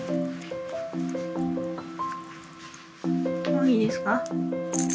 もういいですか？